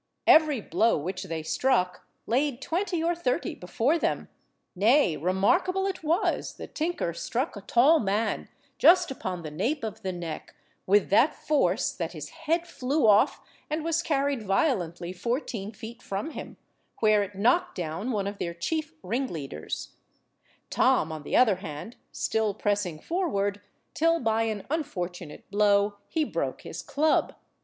Every blow which they struck laid twenty or thirty before them, nay—remarkable it was, the tinker struck a tall man, just upon the nape of the neck, with that force that his head flew off and was carried violently fourteen feet from him, where it knocked down one of their chief ring–leaders,—Tom, on the other hand, still pressing forward, till by an unfortunate blow he broke his club.